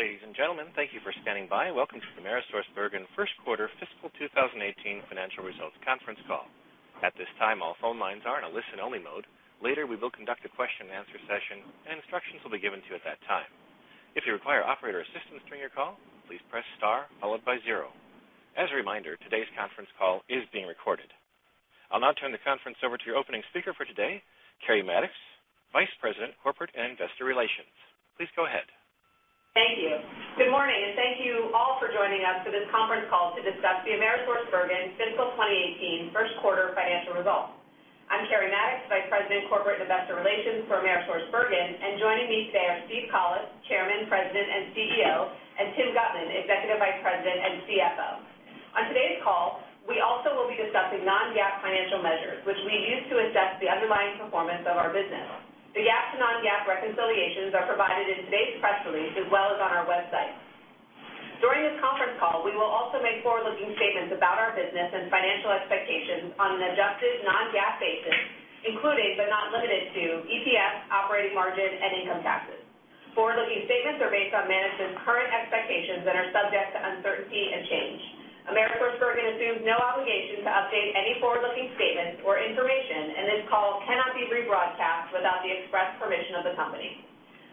Ladies and gentlemen, thank you for standing by. Welcome to the AmerisourceBergen First Quarter Fiscal 2018 Financial Results Conference Call. At this time, all phone lines are in a listen-only mode. Later, we will conduct a question and answer session, and instructions will be given to you at that time. If you require operator assistance during your call, please press star followed by zero. As a reminder, today's conference call is being recorded. I'll now turn the conference over to your opening speaker for today, Keri Mattox, Vice President, Corporate and Investor Relations. Please go ahead. Thank you. Good morning. Thank you all for joining us for this conference call to discuss the AmerisourceBergen Fiscal 2018 first quarter financial results. I'm Keri Mattox, Vice President, Corporate and Investor Relations for AmerisourceBergen, and joining me today are Steve Collis, Chairman, President, and CEO, and Tim Guttman, Executive Vice President and CFO. On today's call, we also will be discussing non-GAAP financial measures, which we use to assess the underlying performance of our business. The GAAP and non-GAAP reconciliations are provided in today's press release as well as on our website. During this conference call, we will also make forward-looking statements about our business and financial expectations on an adjusted non-GAAP basis, including but not limited to EPS, operating margin, and income taxes. Forward-looking statements are based on management's current expectations that are subject to uncertainty and change. AmerisourceBergen assumes no obligation to update any forward-looking statements or information. This call cannot be rebroadcast without the express permission of the company.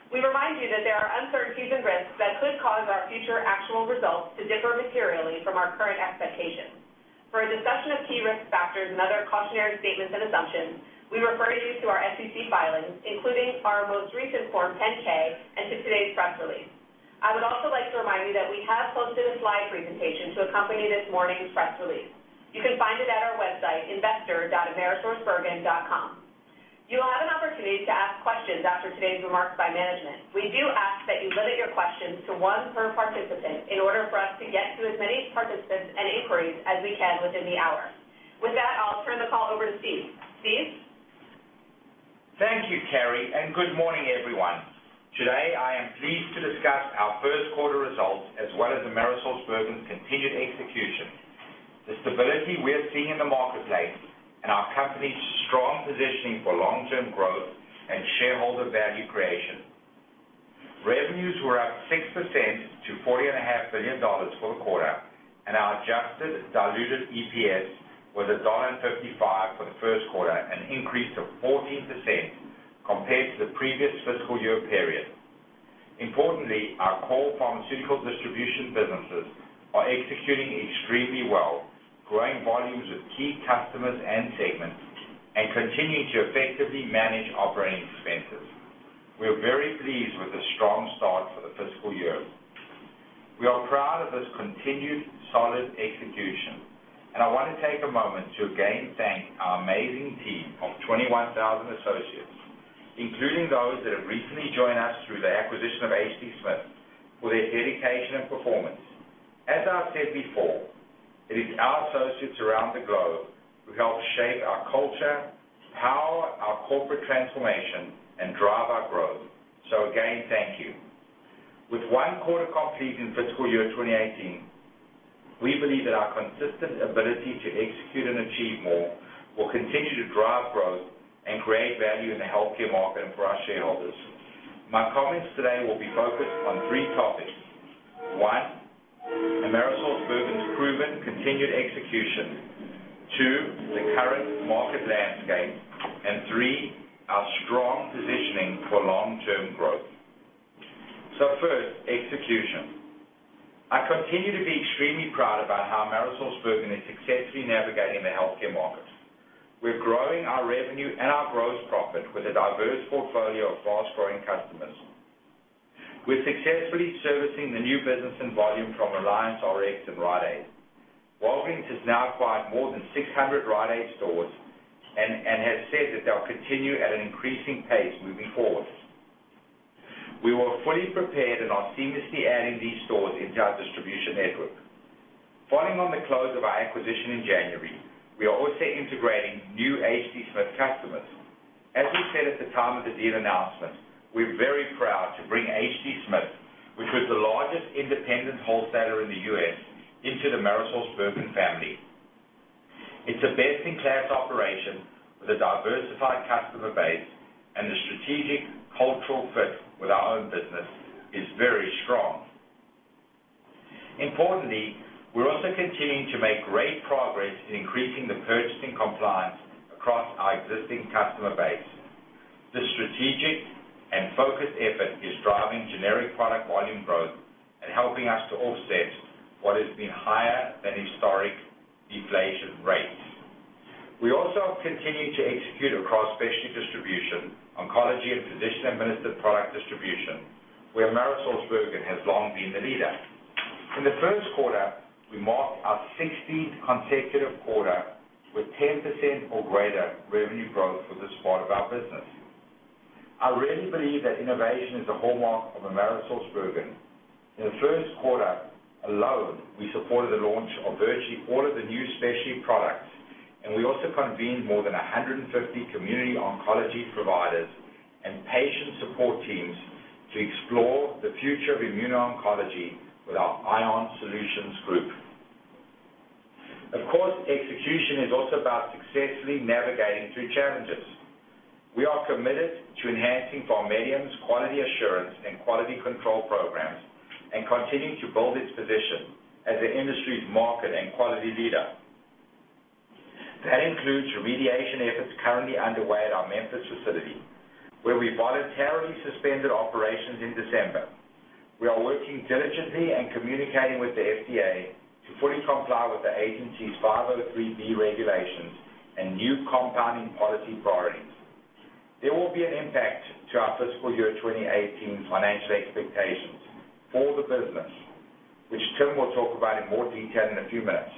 We remind you that there are uncertainties and risks that could cause our future actual results to differ materially from our current expectations. For a discussion of key risk factors and other cautionary statements and assumptions, we refer you to our SEC filings, including our most recent Form 10-K and to today's press release. I would also like to remind you that we have posted a slide presentation to accompany this morning's press release. You can find it at our website, investor.amerisourcebergen.com. You will have an opportunity to ask questions after today's remarks by management. We do ask that you limit your questions to one per participant in order for us to get to as many participants and inquiries as we can within the hour. With that, I'll turn the call over to Steve. Steve? Thank you, Keri, and good morning, everyone. Today, I am pleased to discuss our first quarter results, as well as AmerisourceBergen's continued execution, the stability we're seeing in the marketplace, and our company's strong positioning for long-term growth and shareholder value creation. Revenues were up 6% to $40.5 billion for the quarter, and our adjusted diluted EPS was $1.55 for the first quarter, an increase of 14% compared to the previous fiscal year period. Importantly, our core pharmaceutical distribution businesses are executing extremely well, growing volumes with key customers and segments and continuing to effectively manage operating expenses. We are very pleased with this strong start for the fiscal year. We are proud of this continued solid execution, and I want to take a moment to again thank our amazing team of 21,000 associates, including those that have recently joined us through the acquisition of H.D. Smith. Smith, for their dedication and performance. As I've said before, it is our associates around the globe who help shape our culture, power our corporate transformation, and drive our growth. Again, thank you. With one quarter complete in fiscal year 2018, we believe that our consistent ability to execute and achieve more will continue to drive growth and create value in the healthcare market and for our shareholders. My comments today will be focused on three topics. One, AmerisourceBergen's proven continued execution. Two, the current market landscape, and three, our strong positioning for long-term growth. First, execution. I continue to be extremely proud about how AmerisourceBergen is successfully navigating the healthcare market. We're growing our revenue and our gross profit with a diverse portfolio of fast-growing customers. We're successfully servicing the new business and volume from AllianceRx and Rite Aid. Walgreens has now acquired more than 600 Rite Aid stores and has said that they'll continue at an increasing pace moving forward. We were fully prepared and are seamlessly adding these stores into our distribution network. Following on the close of our acquisition in January, we are also integrating new H.D. Smith customers. As we said at the time of the deal announcement, we're very proud to bring H.D. Smith, which was the largest independent wholesaler in the U.S., into the AmerisourceBergen family. It's a best-in-class operation with a diversified customer base, and the strategic cultural fit with our own business is very strong. Importantly, we're also continuing to make great progress in increasing the purchasing compliance across our existing customer base. This strategic and focused effort is driving generic product volume growth and helping us to offset what has been higher than historic deflation rates. We also have continued to execute across specialty distribution, oncology, and physician-administered product distribution, where AmerisourceBergen has long been the leader. In the first quarter, we marked our 16th consecutive quarter with 10% or greater revenue growth for this part of our business. I really believe that innovation is a hallmark of AmerisourceBergen. In the first quarter alone, we supported the launch of virtually all of the new specialty products, and we also convened more than 150 community oncology providers and patient support teams to explore the future of immuno-oncology with our ION Solutions Group. Of course, execution is also about successfully navigating through challenges. We are committed to enhancing PharMEDium's quality assurance and quality control programs and continuing to build its position as the industry's market and quality leader. That includes remediation efforts currently underway at our Memphis facility, where we voluntarily suspended operations in December. We are working diligently and communicating with the FDA to fully comply with the agency's 503B regulations and new compounding policy priorities. There will be an impact to our fiscal year 2018 financial expectations for the business, which Tim will talk about in more detail in a few minutes.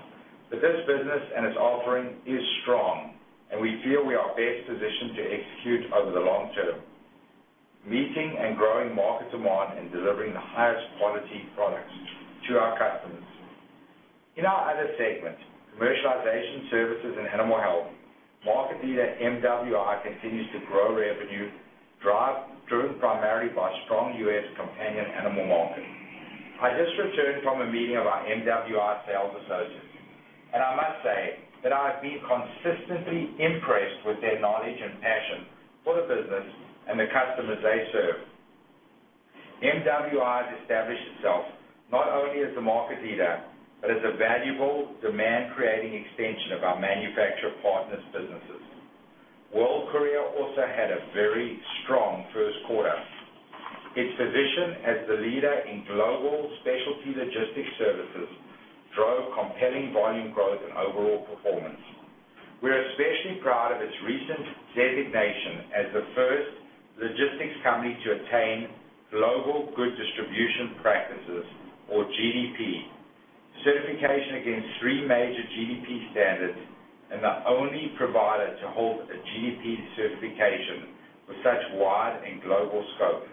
This business and its offering is strong, and we feel we are best positioned to execute over the long term, meeting and growing market demand and delivering the highest quality products to our customers. In our other segment, Commercialization Services and Animal Health, market leader MWI continues to grow revenue, driven primarily by strong U.S. companion animal market. I just returned from a meeting of our MWI sales associates, and I must say that I have been consistently impressed with their knowledge and passion for the business and the customers they serve. MWI has established itself not only as the market leader, but as a valuable demand-creating extension of our manufacture partners' businesses. World Courier also had a very strong first quarter. Its position as the leader in global specialty logistics services drove compelling volume growth and overall performance. We are especially proud of its recent designation as the first logistics company to attain global good distribution practices or GDP certification against three major GDP standards and the only provider to hold a GDP certification with such wide and global scope.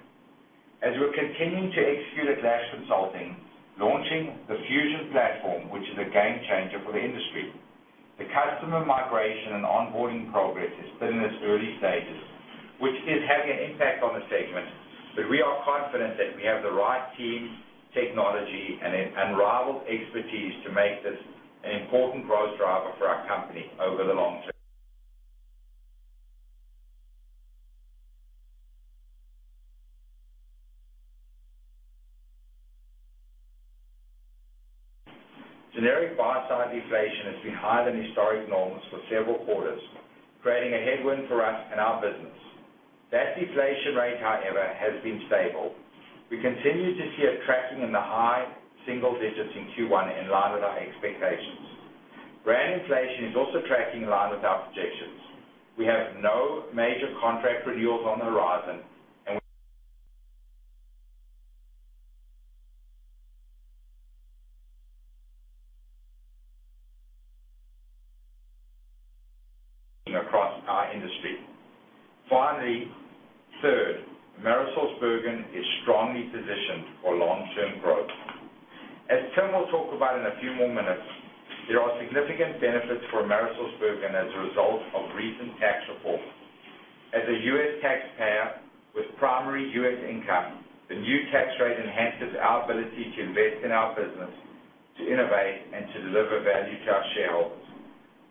As we are continuing to execute at Lash Consulting, launching the Fusion platform, which is a game changer for the industry. The customer migration and onboarding progress is still in its early stages, which is having an impact on the segment. We are confident that we have the right team, technology, and unrivaled expertise to make this an important growth driver for our company over the long term. Generic buy-side deflation has been higher than historic norms for several quarters, creating a headwind for us and our business. That deflation rate, however, has been stable. We continue to see it tracking in the high single digits in Q1 in line with our expectations. Brand inflation is also tracking in line with our projections. We have no major contract renewals on the horizon across our industry. Third, AmerisourceBergen is strongly positioned for long-term growth. As Tim will talk about in a few more minutes, there are significant benefits for AmerisourceBergen as a result of recent tax reform. As a U.S. taxpayer with primary U.S. income, the new tax rate enhances our ability to invest in our business, to innovate, and to deliver value to our shareholders.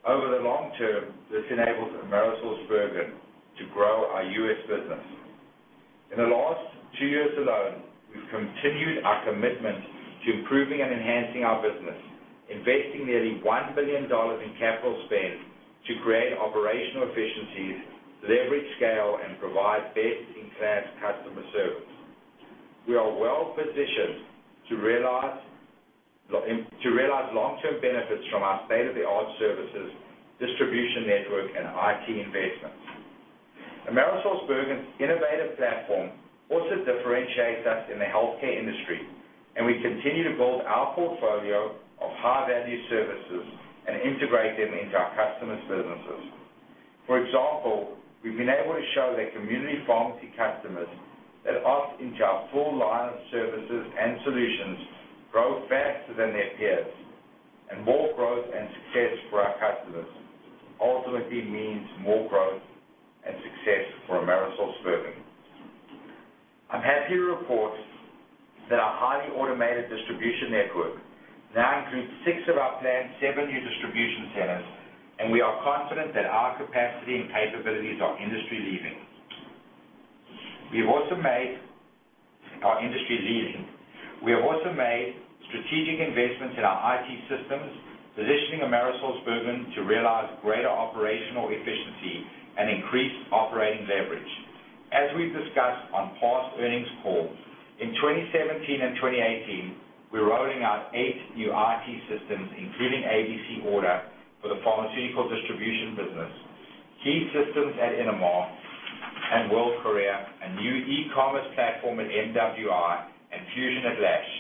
Over the long term, this enables AmerisourceBergen to grow our U.S. business. In the last two years alone, we have continued our commitment to improving and enhancing our business, investing nearly $1 billion in capital spend to create operational efficiencies, leverage scale, and provide best-in-class customer service. We are well positioned to realize long-term benefits from our state-of-the-art services, distribution network, and IT investments. AmerisourceBergen's innovative platform also differentiates us in the healthcare industry, and we continue to build our portfolio of high-value services and integrate them into our customers' businesses. For example, we've been able to show their community pharmacy customers that opt into our full line of services and solutions grow faster than their peers. More growth and success for our customers ultimately means more growth and success for AmerisourceBergen. I'm happy to report that our highly automated distribution network now includes six of our planned seven new distribution centers. We are confident that our capacity and capabilities are industry-leading. We have also made strategic investments in our IT systems, positioning AmerisourceBergen to realize greater operational efficiency and increase operating leverage. As we've discussed on past earnings calls, in 2017 and 2018, we're rolling out eight new IT systems, including ABC Order for the Pharmaceutical Distribution business, key systems at Innomar and World Courier, a new e-commerce platform at MWI, and Fusion at Lash.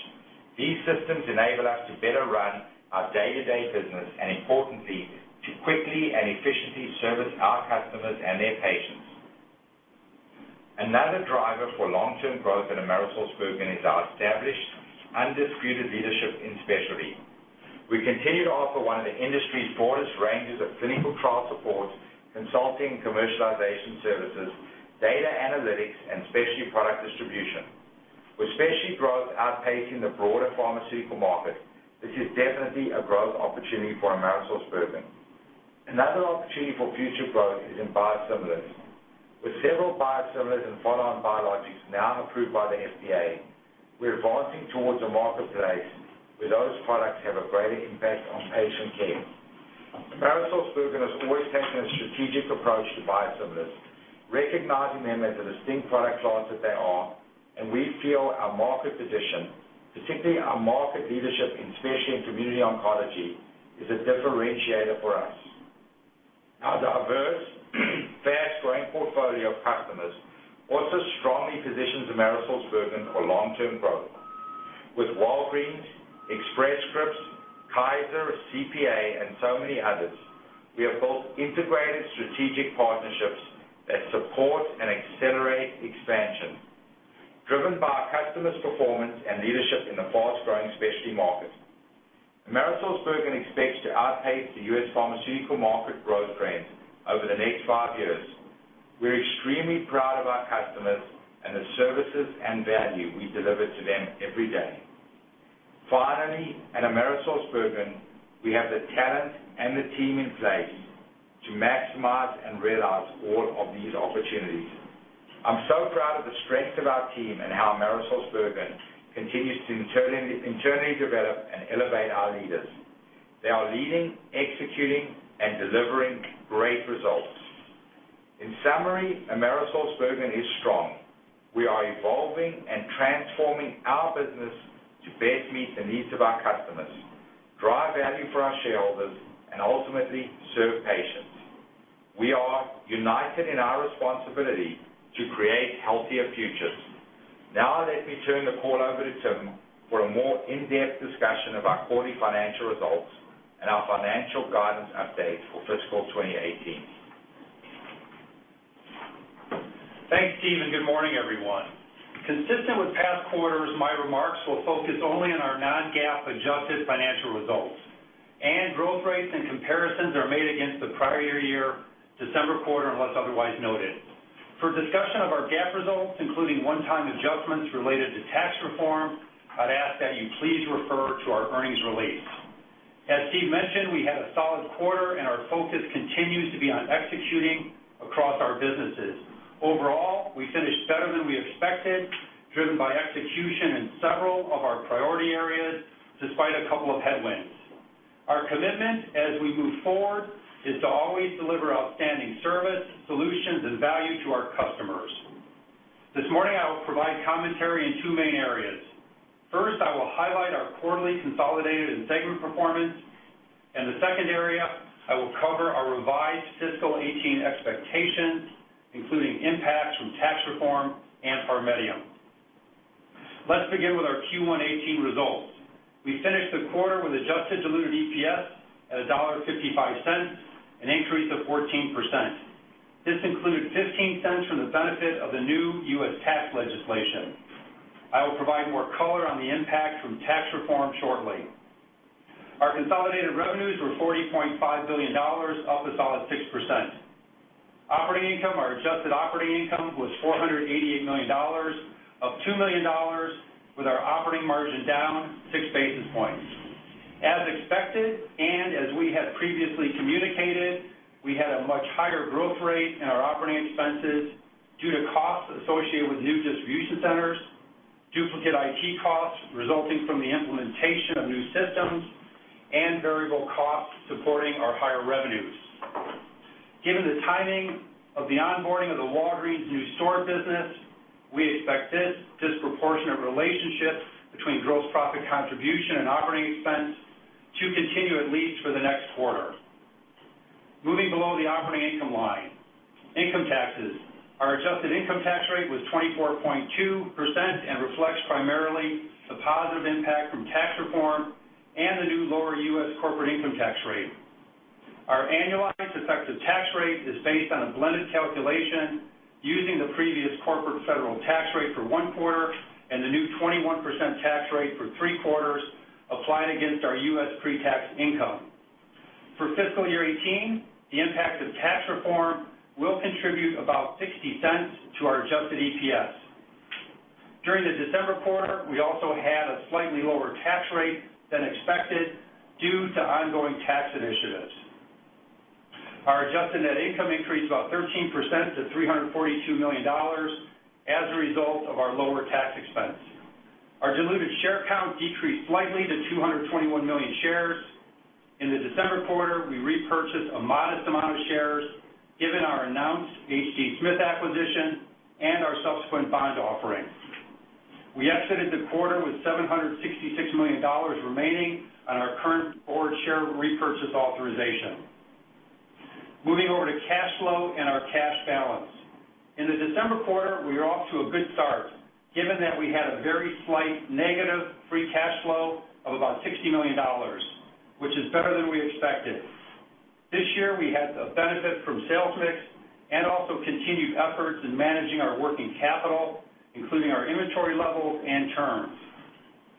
These systems enable us to better run our day-to-day business and importantly, to quickly and efficiently service our customers and their patients. Another driver for long-term growth at AmerisourceBergen is our established, undisputed leadership in specialty. We continue to offer one of the industry's broadest ranges of clinical trial support, consulting, commercialization services, data analytics, and specialty product distribution. With specialty growth outpacing the broader pharmaceutical market, this is definitely a growth opportunity for AmerisourceBergen. Another opportunity for future growth is in biosimilars. With several biosimilars and follow-on biologics now approved by the FDA, we're advancing towards a marketplace where those products have a greater impact on patient care. AmerisourceBergen has always taken a strategic approach to biosimilars, recognizing them as the distinct product launch that they are. We feel our market position, particularly our market leadership in specialty and community oncology, is a differentiator for us. Our diverse, fast-growing portfolio of customers also strongly positions AmerisourceBergen for long-term growth. With Walgreens, Express Scripts, Kaiser, CPA, and so many others, we have built integrated strategic partnerships that support and accelerate expansion, driven by our customers' performance and leadership in the fast-growing specialty market. AmerisourceBergen expects to outpace the U.S. pharmaceutical market growth trend over the next five years. We're extremely proud of our customers and the services and value we deliver to them every day. Finally, at AmerisourceBergen, we have the talent and the team in place to maximize and realize all of these opportunities. I'm so proud of the strength of our team and how AmerisourceBergen continues to internally develop and elevate our leaders. They are leading, executing, and delivering great results. In summary, AmerisourceBergen is strong. We are evolving and transforming our business to best meet the needs of our customers, drive value for our shareholders, and ultimately, serve patients. We are united in our responsibility to create healthier futures. Now, let me turn the call over to Tim for a more in-depth discussion of our quarterly financial results and our financial guidance update for fiscal 2018. Thanks, Steve, and good morning, everyone. Consistent with past quarters, my remarks will focus only on our non-GAAP adjusted financial results. Growth rates and comparisons are made against the prior year December quarter, unless otherwise noted. For discussion of our GAAP results, including one-time adjustments related to tax reform, I'd ask that you please refer to our earnings release. As Steve mentioned, we had a solid quarter, and our focus continues to be on executing across our businesses. Overall, we finished better than we expected, driven by execution in several of our priority areas, despite a couple of headwinds. Our commitment as we move forward is to always deliver outstanding service, solutions, and value to our customers. This morning, I will provide commentary in two main areas. First, I will highlight our quarterly consolidated and segment performance. The second area, I will cover our revised fiscal 2018 expectations, including impacts from tax reform and PharMEDium. Let's begin with our Q1 2018 results. We finished the quarter with adjusted diluted EPS at $1.55, an increase of 14%. This included $0.15 from the benefit of the new U.S. tax legislation. I will provide more color on the impact from tax reform shortly. Our consolidated revenues were $40.5 billion, up a solid 6%. Operating income, our adjusted operating income, was $488 million, up $2 million with our operating margin down 6 basis points. As expected, and as we had previously communicated, we had a much higher growth rate in our operating expenses due to costs associated with new distribution centers, duplicate IT costs resulting from the implementation of new systems, and variable costs supporting our higher revenues. Given the timing of the onboarding of the Walgreens new store business, we expect this disproportionate relationship between gross profit contribution and operating expense to continue at least for the next quarter. Moving below the operating income line. Income taxes. Our adjusted income tax rate was 24.2% and reflects primarily the positive impact from tax reform and the new lower U.S. corporate income tax rate. Our annualized effective tax rate is based on a blended calculation using the previous corporate federal tax rate for one quarter and the new 21% tax rate for three quarters applying against our U.S. pre-tax income. For fiscal year 2018, the impact of tax reform will contribute about $0.60 to our adjusted EPS. During the December quarter, we also had a slightly lower tax rate than expected due to ongoing tax initiatives. Our adjusted net income increased about 13% to $342 million as a result of our lower tax expense. Our diluted share count decreased slightly to 221 million shares. In the December quarter, we repurchased a modest amount of shares given our announced H.D. Smith acquisition and our subsequent bond offering. We exited the quarter with $766 million remaining on our current board share repurchase authorization. Moving over to cash flow and our cash balance. In the December quarter, we are off to a good start, given that we had a very slight negative free cash flow of about $60 million, which is better than we expected. This year, we had a benefit from sales mix and also continued efforts in managing our working capital, including our inventory levels and turns.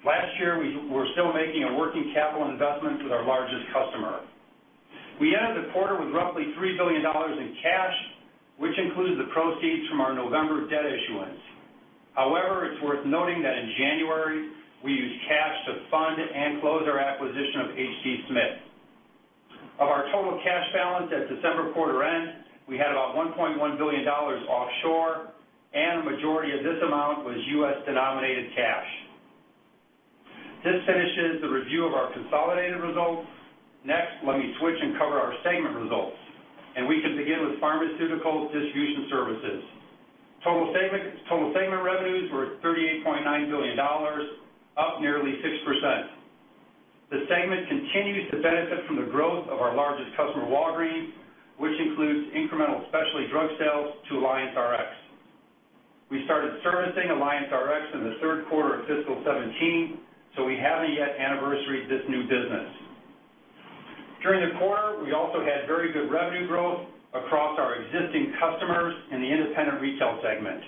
Last year, we were still making a working capital investment with our largest customer. We ended the quarter with roughly $3 billion in cash, which includes the proceeds from our November debt issuance. It's worth noting that in January, we used cash to fund and close our acquisition of H.D. Smith. Of our total cash balance at December quarter end, we had about $1.1 billion offshore, a majority of this amount was U.S.-denominated cash. This finishes the review of our consolidated results. Let me switch and cover our segment results, we can begin with Pharmaceutical Distribution Services. Total segment revenues were $38.9 billion, up nearly 6%. The segment continues to benefit from the growth of our largest customer, Walgreens, which includes incremental specialty drug sales to AllianceRx. We started servicing AllianceRx in the third quarter of fiscal 2017, so we haven't yet anniversaried this new business. During the quarter, we also had very good revenue growth across our existing customers in the independent retail segment.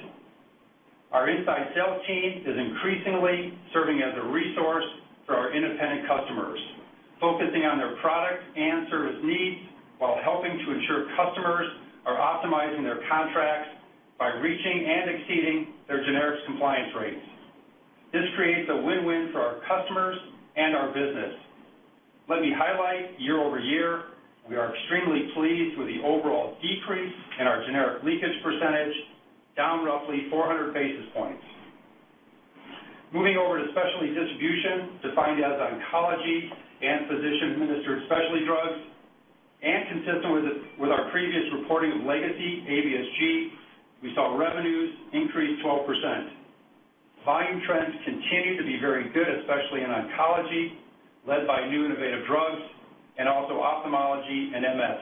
Our inside sales team is increasingly serving as a resource for our independent customers, focusing on their product and service needs while helping to ensure customers are optimizing their contracts by reaching and exceeding their generics compliance rates. This creates a win-win for our customers and our business. Let me highlight, year-over-year, we are extremely pleased with the overall decrease in our generic leakage percentage, down roughly 400 basis points. Moving over to Specialty Distribution, defined as oncology and physician-administered specialty drugs, consistent with our previous reporting of legacy, ABSG, we saw revenues increase 12%. Volume trends continue to be very good, especially in oncology, led by new innovative drugs, also ophthalmology and MS.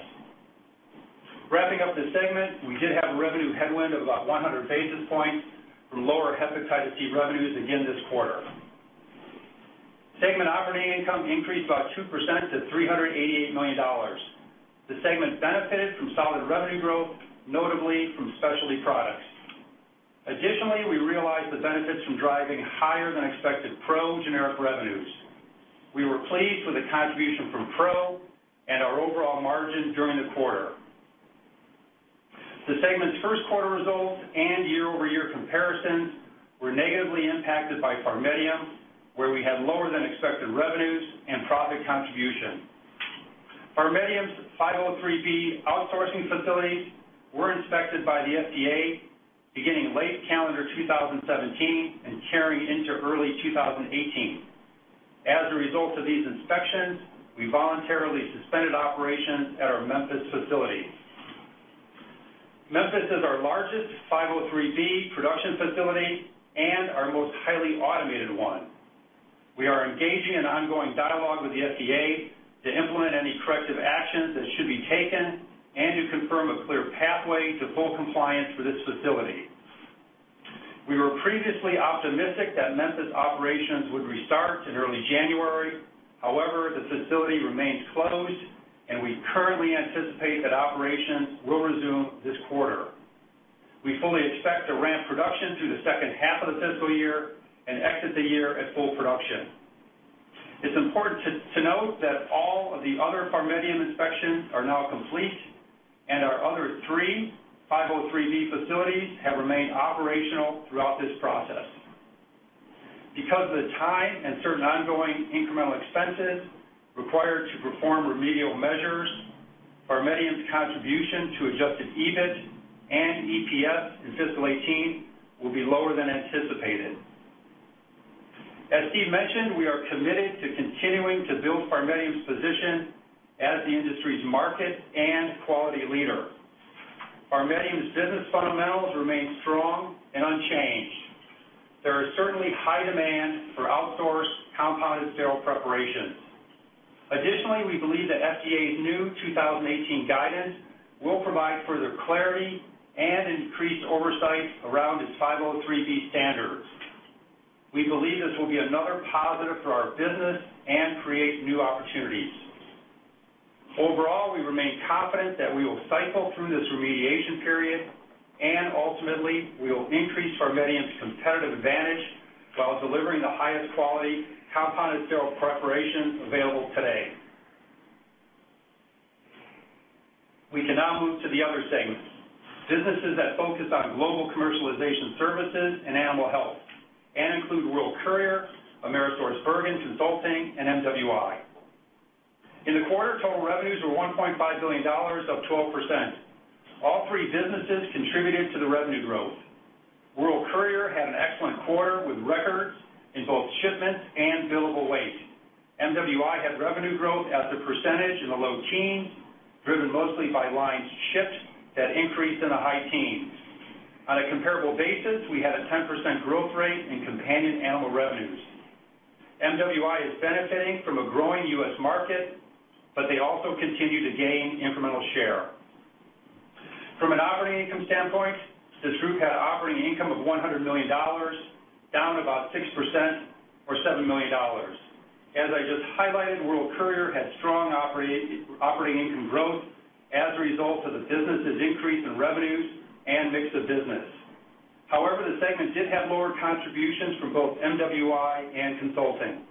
Wrapping up the segment, we did have a revenue headwind of about 100 basis points from lower hepatitis C revenues again this quarter. Segment operating income increased about 2% to $388 million. The segment benefited from solid revenue growth, notably from specialty products. We realized the benefits from driving higher than expected PRxO generic revenues. We were pleased with the contribution from PRxO and our overall margin during the quarter. The segment's first quarter results and year-over-year comparisons were negatively impacted by PharMEDium, where we had lower than expected revenues and profit contribution. PharMEDium's 503B outsourcing facilities were inspected by the FDA beginning late calendar 2017 and carrying into early 2018. As a result of these inspections, we voluntarily suspended operations at our Memphis facility. Memphis is our largest 503B production facility and our most highly automated one. We are engaging in ongoing dialogue with the FDA to implement any corrective actions that should be taken to confirm a clear pathway to full compliance for this facility. We were previously optimistic that Memphis operations would restart in early January. The facility remains closed, we currently anticipate that operations will resume this quarter. We fully expect to ramp production through the second half of the fiscal year exit the year at full production. It's important to note that all of the other PharMEDium inspections are now complete, our other three 503B facilities have remained operational throughout this process. Because of the time and certain ongoing incremental expenses required to perform remedial measures, PharMEDium's contribution to adjusted EBIT and EPS in fiscal 2018 will be lower than anticipated. As Steve mentioned, we are committed to continuing to build PharMEDium's position as the industry's market and quality leader. PharMEDium's business fundamentals remain strong and unchanged. There is certainly high demand for outsourced compounded sterile preparations. Additionally, we believe that FDA's new 2018 guidance will provide further clarity and increased oversight around its 503B standards. We believe this will be another positive for our business and create new opportunities. Overall, we remain confident that we will cycle through this remediation period, and ultimately, we will increase PharMEDium's competitive advantage while delivering the highest quality compounded sterile preparations available today. We can now move to the other segments, businesses that focus on global commercialization services and animal health and include World Courier, AmerisourceBergen Consulting, and MWI. In the quarter, total revenues were $1.5 billion, up 12%. All three businesses contributed to the revenue growth. World Courier had an excellent quarter with records in both shipments and billable weight. MWI had revenue growth as a percentage in the low teens, driven mostly by lines shipped that increased in the high teens. On a comparable basis, we had a 10% growth rate in companion animal revenues. MWI is benefiting from a growing U.S. market, but they also continue to gain incremental share. From an operating income standpoint, this group had operating income of $100 million, down about 6% or $7 million. As I just highlighted, World Courier had strong operating income growth as a result of the business's increase in revenues and mix of business. However, the segment did have lower contributions from both MWI and Consulting.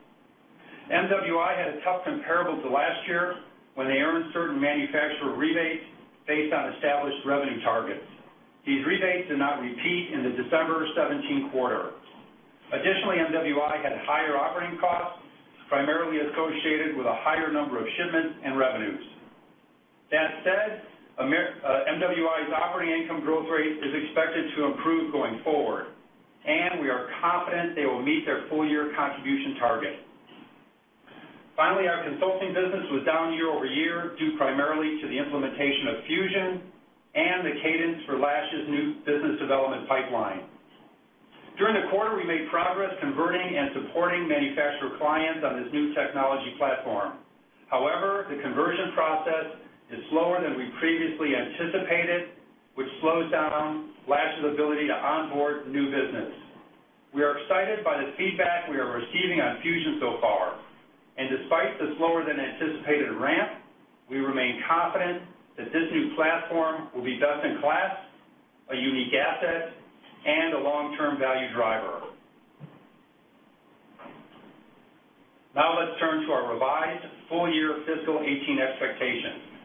MWI had a tough comparable to last year when they earned certain manufacturer rebates based on established revenue targets. These rebates did not repeat in the December 2017 quarter. Additionally, MWI had higher operating costs, primarily associated with a higher number of shipments and revenues. That said, MWI's operating income growth rate is expected to improve going forward, and we are confident they will meet their full-year contribution target. Finally, our consulting business was down year-over-year due primarily to the implementation of Fusion and the cadence for Lash's new business development pipeline. During the quarter, we made progress converting and supporting manufacturer clients on this new technology platform. However, the conversion process is slower than we previously anticipated, which slows down Lash's ability to onboard new business. We are excited by the feedback we are receiving on Fusion so far. Despite the slower-than-anticipated ramp, we remain confident that this new platform will be best-in-class, a unique asset, and a long-term value driver. Now let's turn to our revised full-year fiscal 2018 expectations.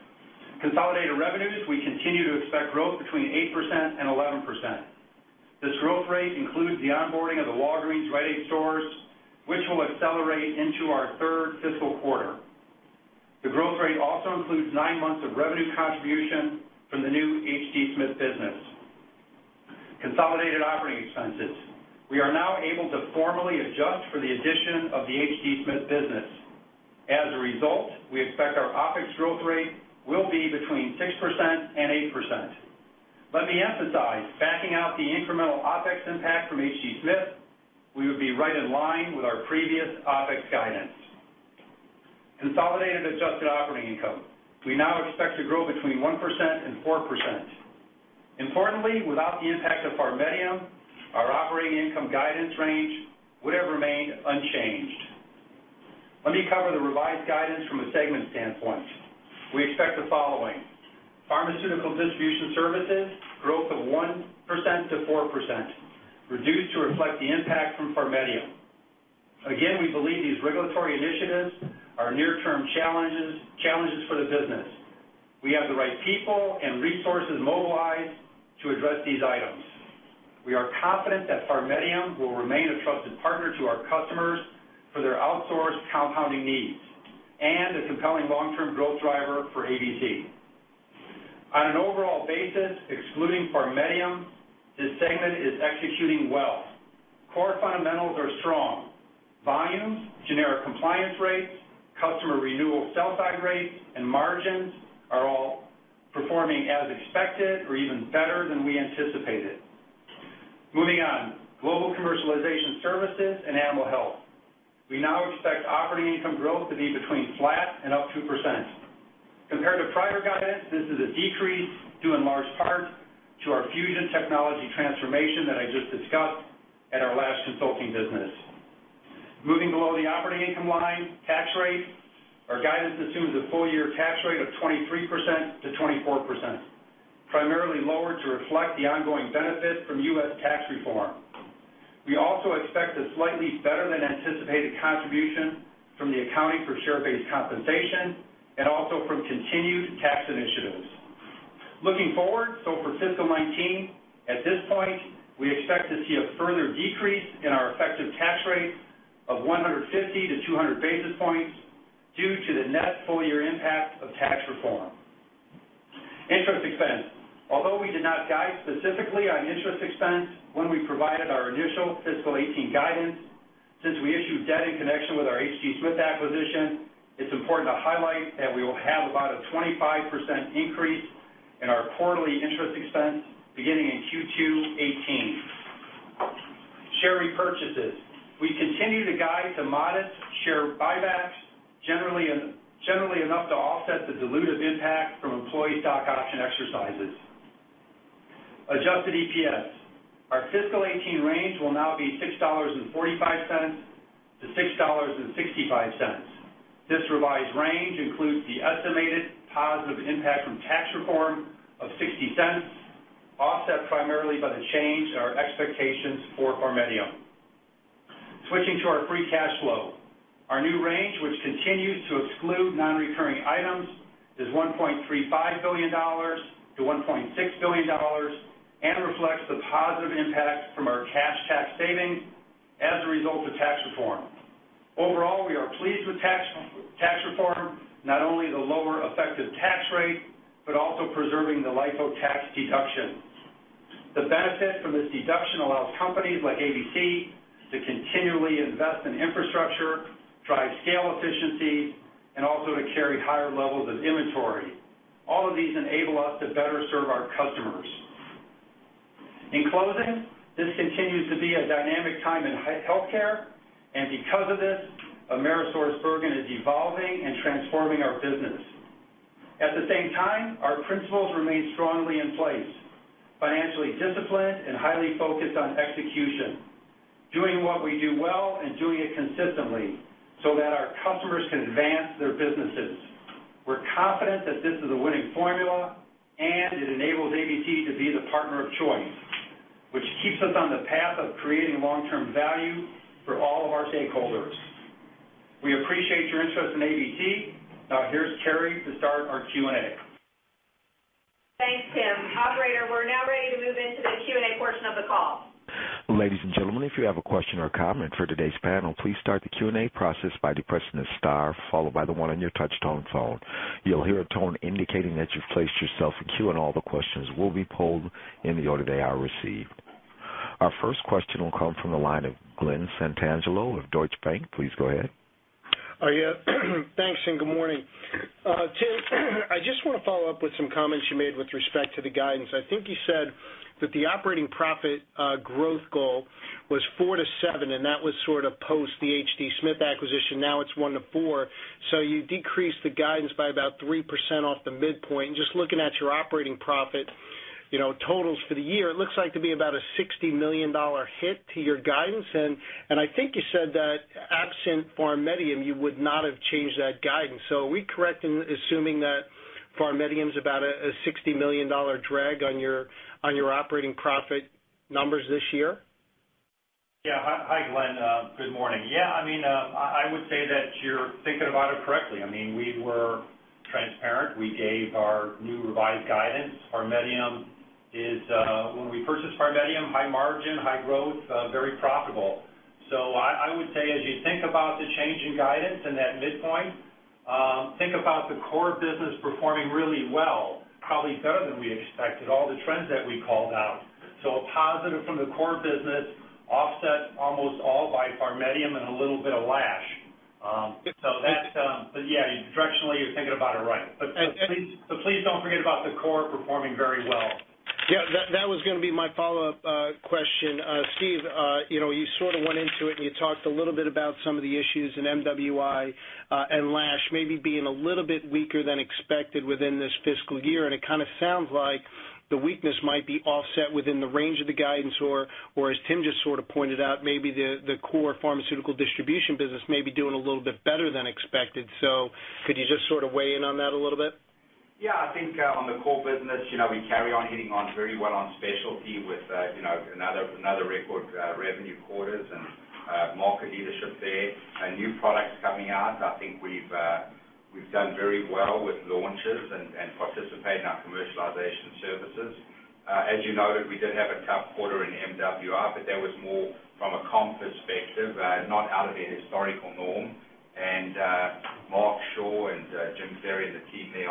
Consolidated revenues, we continue to expect growth between 8% and 11%. This growth rate includes the onboarding of the Walgreens Rite Aid stores, which will accelerate into our third fiscal quarter. The growth rate also includes nine months of revenue contribution from the new H.D. Smith business. Consolidated operating expenses. We are now able to formally adjust for the addition of the H.D. Smith business. As a result, we expect our OpEx growth rate will be between 6% and 8%. Let me emphasize, backing out the incremental OpEx impact from H.D. Smith, we would be right in line with our previous OpEx guidance. Consolidated adjusted operating income. We now expect to grow between 1% and 4%. Importantly, without the impact of PharMEDium, our operating income guidance range would have remained unchanged. Let me cover the revised guidance from a segment standpoint. We expect the following. Pharmaceutical Distribution Services, growth of 1%-4%, reduced to reflect the impact from PharMEDium. Again, we believe these regulatory initiatives are near-term challenges for the business. We have the right people and resources mobilized to address these items. We are confident that PharMEDium will remain a trusted partner to our customers for their outsourced compounding needs and a compelling long-term growth driver for ABC. On an overall basis, excluding PharMEDium, this segment is executing well. Core fundamentals are strong. Volumes, generic compliance rates, customer renewal sell-side rates, and margins are all performing as expected or even better than we anticipated. Moving on. Global Commercialization Services and Animal Health. We now expect operating income growth to be between flat and up 2%. Compared to prior guidance, this is a decrease due in large part to our Fusion technology transformation that I just discussed at our Lash consulting business. Moving below the operating income line, tax rate. Our guidance assumes a full-year tax rate of 23%-24%, primarily lower to reflect the ongoing benefit from U.S. tax reform. We also expect a slightly better-than-anticipated contribution from the accounting for share-based compensation and also from continued tax initiatives. Looking forward, for fiscal 2019, at this point, we expect to see a further decrease in our effective tax rate of 150 to 200 basis points due to the net full-year impact of tax reform. Interest expense. Although we did not guide specifically on interest expense when we provided our initial fiscal 2018 guidance, since we issued debt in connection with our H.D. Smith acquisition, it's important to highlight that we will have about a 25% increase in our quarterly interest expense beginning in Q2 2018. Share repurchases. We continue to guide to modest share buybacks, generally enough to offset the dilutive impact from employee stock option exercises. Adjusted EPS. Our fiscal 2018 range will now be $6.45 to $6.65. This revised range includes the estimated positive impact from tax reform of $0.60, offset primarily by the change in our expectations for PharMEDium. Switching to our free cash flow. Our new range, which continues to exclude non-recurring items, is $1.35 billion-$1.6 billion and reflects the positive impact from our cash tax savings as a result of tax reform. Overall, we are pleased with tax reform, not only the lower effective tax rate, but also preserving the LIFO tax deduction. The benefit from this deduction allows companies like ABC to continually invest in infrastructure, drive scale efficiency, and also to carry higher levels of inventory. All of these enable us to better serve our customers. In closing, this continues to be a dynamic time in healthcare, and because of this, AmerisourceBergen is evolving and transforming our business. At the same time, our principles remain strongly in place, financially disciplined and highly focused on execution, doing what we do well and doing it consistently so that our customers can advance their businesses. We're confident that this is a winning formula, and it enables ABC to be the partner of choice, which keeps us on the path of creating long-term value for all of our stakeholders. We appreciate your interest in ABC. Now, here's Keri to start our Q&A. Thanks, Tim. Operator, we're now ready to move into the Q&A portion of the call. Ladies and gentlemen, if you have a question or comment for today's panel, please start the Q&A process by depressing star followed by the one on your touch-tone phone. You'll hear a tone indicating that you've placed yourself in queue, and all the questions will be polled in the order they are received. Our first question will come from the line of Glen Santangelo of Deutsche Bank. Please go ahead. Yeah. Thanks. Good morning. Tim, I just want to follow up with some comments you made with respect to the guidance. I think you said that the operating profit growth goal was four to seven, that was sort of post the H.D. Smith acquisition. Now it's one to four. You decreased the guidance by about 3% off the midpoint. Just looking at your operating profit totals for the year, it looks like to be about a $60 million hit to your guidance. I think you said that absent PharMEDium, you would not have changed that guidance. Are we correct in assuming that PharMEDium is about a $60 million drag on your operating profit numbers this year? Yeah. Hi, Glen. Good morning. Yeah, I would say that you're thinking about it correctly. We were transparent. We gave our new revised guidance. When we purchased PharMEDium, high margin, high growth, very profitable. I would say, as you think about the change in guidance and that midpoint, think about the core business performing really well, probably better than we expected, all the trends that we called out. A positive from the core business offset almost all by PharMEDium and a little bit of Lash. Okay. that's, yeah, directionally, you're thinking about it right. Please don't forget about the core performing very well. Yeah, that was going to be my follow-up question. Steve, you sort of went into it, and you talked a little bit about some of the issues in MWI, and Lash maybe being a little bit weaker than expected within this fiscal year. It kind of sounds like the weakness might be offset within the range of the guidance or, as Tim just sort of pointed out, maybe the core pharmaceutical distribution business may be doing a little bit better than expected. Could you just sort of weigh in on that a little bit? Yeah, I think on the core business, we carry on hitting on very well on specialty with another record revenue quarters and market leadership there and new products coming out. I think we've done very well with launches and participate in our commercialization services. As you noted, we did have a tough quarter in MWI, but that was more from a comp perspective, not out of a historical norm. Mark Shaw and Jim Frary and the team there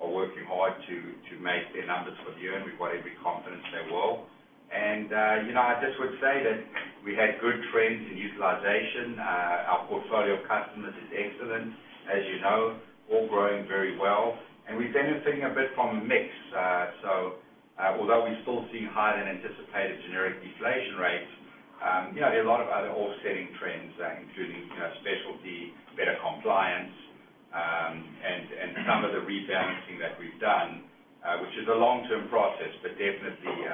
are working hard to make their numbers for the year, and we've got every confidence they will. I just would say that we had good trends in utilization. Our portfolio of customers is excellent, as you know, all growing very well, and we're benefiting a bit from mix. Although we still see higher than anticipated generic deflation rates, there are a lot of other offsetting trends, including specialty, better compliance, and some of the rebalancing that we've done, which is a long-term process, but definitely,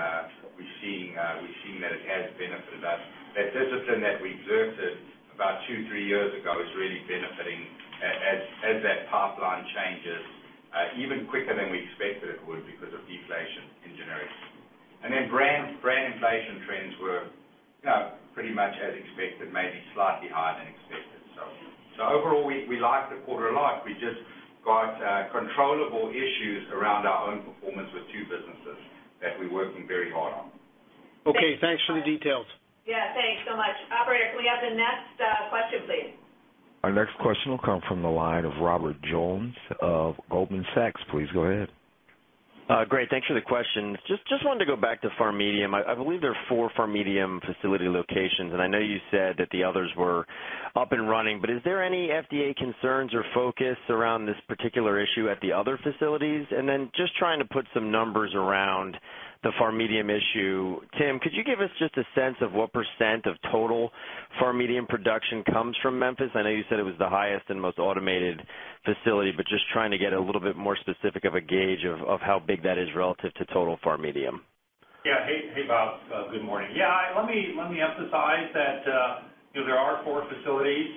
we're seeing that it has benefited us. That discipline that we exerted about two, three years ago is really benefiting as that pipeline changes even quicker than we expected it would because of deflation in generics. Brand inflation trends were pretty much as expected, maybe slightly higher than expected. Overall, we like the quarter a lot. We've just got controllable issues around our own performance with two businesses that we're working very hard on. Okay. Thanks for the details. Yeah. Thanks so much. Operator, can we have the next question, please? Our next question will come from the line of Robert Jones of Goldman Sachs. Please go ahead. Great. Thanks for the question. Just wanted to go back to PharMEDium. I believe there are four PharMEDium facility locations, and I know you said that the others were up and running, but is there any FDA concerns or focus around this particular issue at the other facilities? Just trying to put some numbers around the PharMEDium issue. Tim, could you give us just a sense of what % of total PharMEDium production comes from Memphis? I know you said it was the highest and most automated facility, but just trying to get a little bit more specific of a gauge of how big that is relative to total PharMEDium. Hey, Bob. Good morning. Let me emphasize that there are four facilities.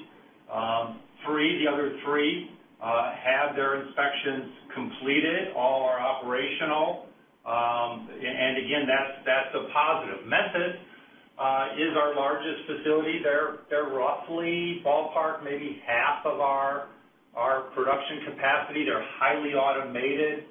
Three, the other three, have their inspections completed, all are operational. Again, that's a positive. Memphis is our largest facility. They're roughly, ballpark, maybe half of our production capacity. They're highly automated.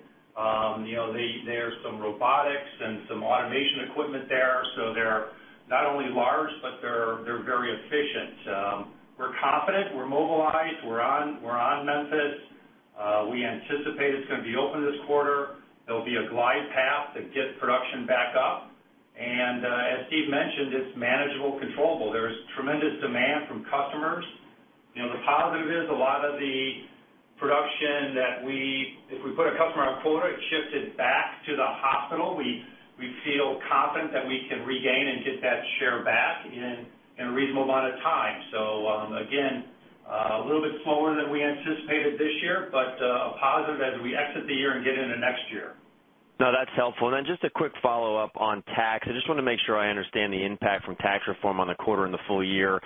There's some robotics and some automation equipment there. They're not only large, but they're very efficient. We're confident. We're mobilized. We're on Memphis. We anticipate it's going to be open this quarter. There'll be a glide path to get production back up. As Steve mentioned, it's manageable, controllable. There's tremendous demand from customers. The positive is a lot of the production that we, if we put a customer on quarter, it shifted back to the hospital. We feel confident that we can regain and get that share back in a reasonable amount of time. Slower than we anticipated this year, but a positive as we exit the year and get into next year. That's helpful. Just a quick follow-up on tax. I just want to make sure I understand the impact from tax reform on the quarter and the full year.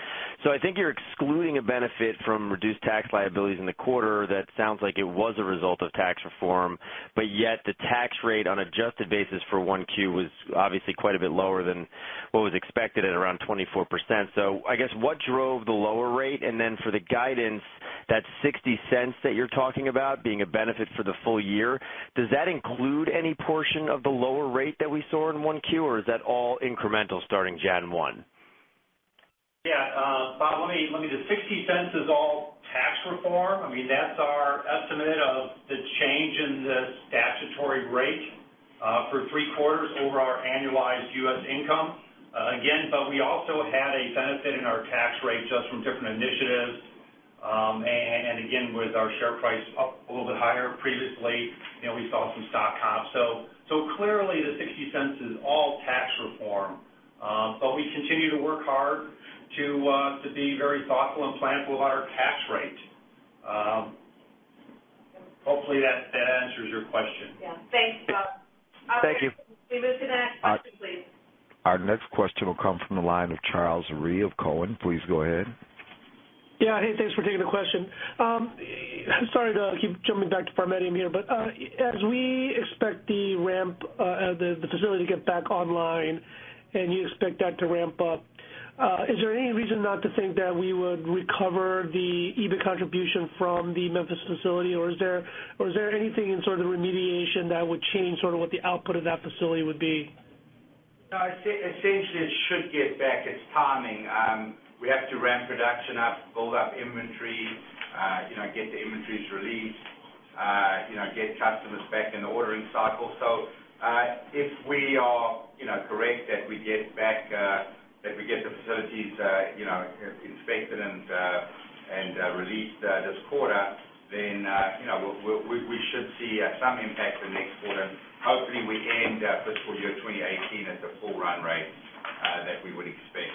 I think you're excluding a benefit from reduced tax liabilities in the quarter. That sounds like it was a result of tax reform, but yet the tax rate on adjusted basis for 1Q was obviously quite a bit lower than what was expected at around 24%. I guess what drove the lower rate? Then for the guidance, that $0.60 that you're talking about being a benefit for the full year, does that include any portion of the lower rate that we saw in 1Q or is that all incremental starting January 1? Bob, let me. The $0.60 is all tax reform. That's our estimate of the change in the statutory rate for three quarters over our annualized U.S. income. Again, we also had a benefit in our tax rate just from different initiatives. Again, with our share price up a little bit higher previously, we saw some stock comps. Clearly, the $0.60 is all tax reform. We continue to work hard to be very thoughtful and planful about our tax rate. Hopefully, that answers your question. Yeah. Thanks, Bob. Thank you. David, next question, please. Our next question will come from the line of Charles Rhyee of Cowen. Please go ahead. Yeah. Hey, thanks for taking the question. Sorry to keep jumping back to PharMEDium here, as we expect the facility to get back online and you expect that to ramp up, is there any reason not to think that we would recover the EBIT contribution from the Memphis facility, or is there anything in sort of the remediation that would change sort of what the output of that facility would be? No, essentially it should get back. It's timing. We have to ramp production up, build up inventory, get the inventories released, get customers back in the ordering cycle. If we are correct that we get the facilities inspected and released this quarter, then we should see some impact the next quarter. Hopefully, we end fiscal year 2018 at the full run rate that we would expect,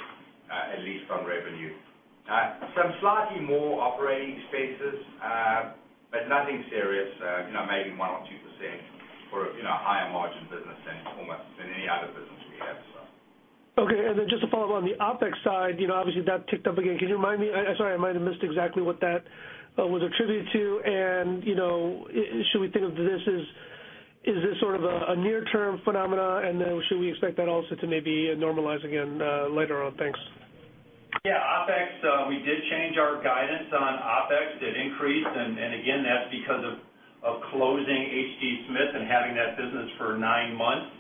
at least on revenue. Some slightly more operating expenses, nothing serious, maybe 1% or 2% for a higher margin business than any other business we have. Okay. Just to follow up on the OpEx side, obviously that ticked up again. Sorry, I might have missed exactly what that was attributed to. Should we think of this as sort of a near term phenomena, should we expect that also to maybe normalize again later on? Thanks. Yeah. OpEx, we did change our guidance on OpEx. It increased, again, that's because of closing H.D. Smith and having that business for nine months.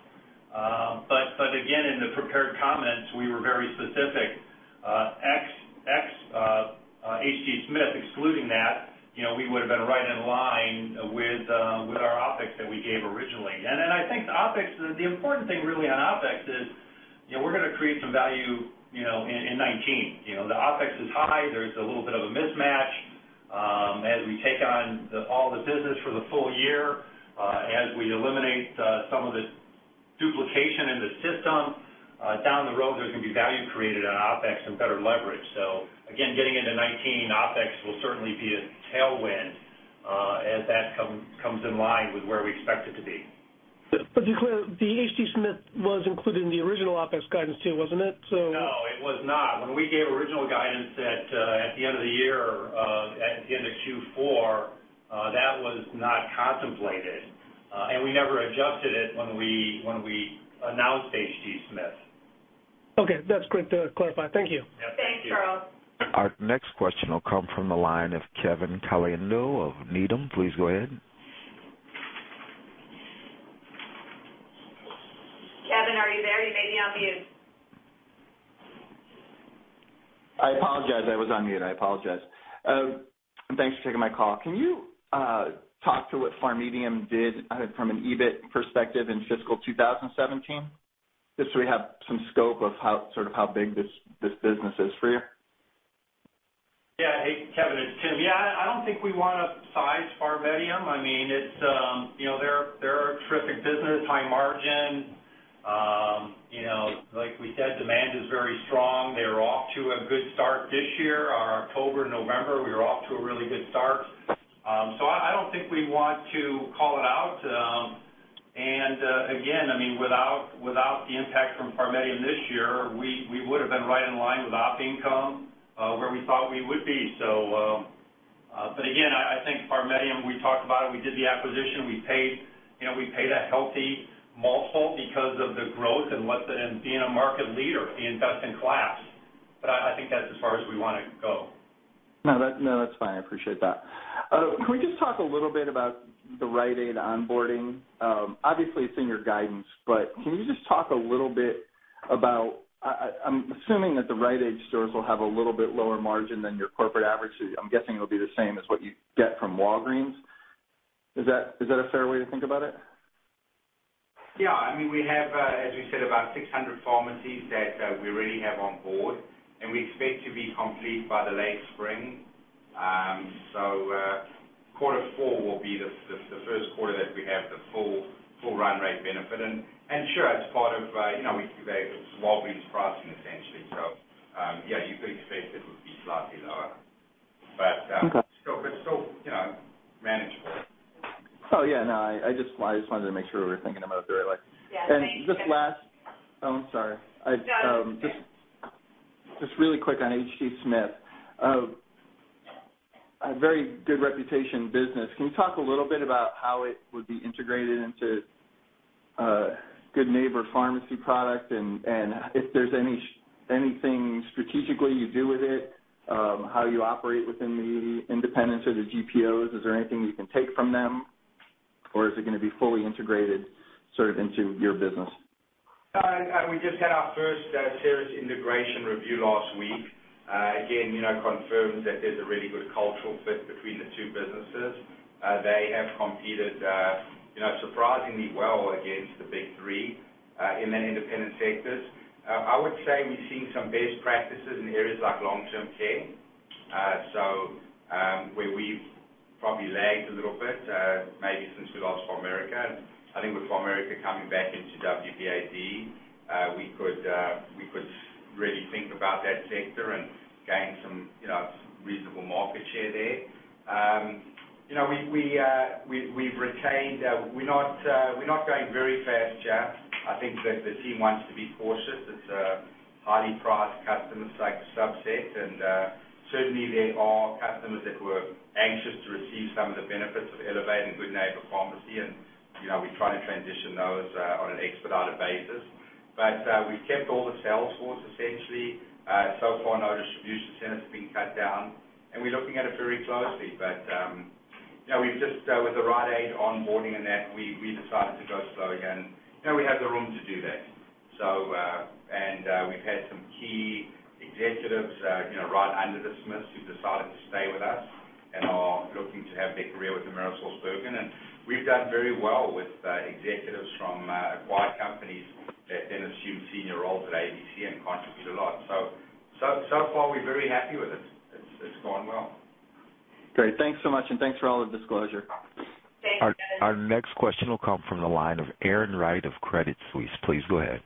Again, in the prepared comments, we were very specific. H.D. Smith, excluding that, we would've been right in line with our OpEx that we gave originally. I think the important thing really on OpEx is we're going to create some value in 2019. The OpEx is high. There's a little bit of a mismatch. As we take on all the business for the full year, as we eliminate some of the duplication in the system, down the road, there's going to be value created on OpEx and better leverage. Again, getting into 2019, OpEx will certainly be a tailwind, as that comes in line with where we expect it to be. Just clear, the H.D. Smith was included in the original OpEx guidance too, wasn't it? No, it was not. When we gave original guidance at the end of the year, at the end of Q4, that was not contemplated, and we never adjusted it when we announced H.D. Smith. Okay. That's great to clarify. Thank you. Yeah. Thank you. Thanks, Charles. Our next question will come from the line of Kevin Caliendo of Needham. Please go ahead. Kevin, are you there? You may be on mute. I apologize. I was on mute. I apologize. Thanks for taking my call. Can you talk to what PharMEDium did from an EBIT perspective in fiscal 2017? Just so we have some scope of sort of how big this business is for you. Hey, Kevin, it's Tim. I don't think we want to size PharMEDium. They're a terrific business, high margin. Like we said, demand is very strong. They're off to a good start this year. Our October, November, we were off to a really good start. I don't think we want to call it out. Again, without the impact from PharMEDium this year, we would've been right in line with op income, where we thought we would be. Again, I think PharMEDium, we talked about it, we did the acquisition, we paid a healthy multiple because of the growth and being a market leader in best-in-class. I think that's as far as we want to go. That's fine. I appreciate that. Can we just talk a little bit about the Rite Aid onboarding? Obviously, it's in your guidance, but can you just talk a little bit about, I'm assuming that the Rite Aid stores will have a little bit lower margin than your corporate average. I'm guessing it'll be the same as what you get from Walgreens. Is that a fair way to think about it? We have, as we said, about 600 pharmacies that we already have on board, and we expect to be complete by the late spring. Quarter four will be the first quarter that we have the full run rate benefit. Sure, as part of, we've got a small business pricing, essentially. You could expect it would be slightly lower. Okay. Still manageable. Oh, yeah, no, I just wanted to make sure we were thinking about it the right way. Yeah, thanks. Just last Oh, I'm sorry. No, you're good. Just really quick on H.D. Smith. A very good reputation business. Can you talk a little bit about how it would be integrated into a Good Neighbor Pharmacy product, and if there's anything strategically you do with it, how you operate within the independents or the GPOs? Is there anything you can take from them, or is it going to be fully integrated into your business? We just had our first serious integration review last week. Again, confirmed that there's a really good cultural fit between the two businesses. They have competed surprisingly well against the big three in the independent sectors. I would say we've seen some best practices in areas like long-term care. Where we've probably lagged a little bit, maybe since we lost PharMerica. I think with PharMerica coming back into WPA, D, we could really think about that sector and gain some reasonable market share there. We're not going very fast, Jeff. I think that the team wants to be cautious. It's a highly prized customer subset, and certainly, there are customers that were anxious to receive some of the benefits of Elevate and Good Neighbor Pharmacy, and we're trying to transition those on an expedited basis. We've kept all the sales force, essentially. So far, no distribution centers have been cut down, and we're looking at it very closely. With the Rite Aid onboarding and that, we decided to go slow again, and we have the room to do that. We've had some key executives right under the Smiths who decided to stay with us and are looking to have their career with AmerisourceBergen. We've done very well with executives from acquired companies that then assume senior roles at ABC and contribute a lot. So far, we're very happy with it. It's gone well. Great. Thanks so much, and thanks for all the disclosure. Thanks. Our next question will come from the line of Erin Wright of Credit Suisse. Please go ahead.